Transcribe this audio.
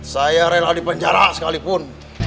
saya rela dipenjara sekalipun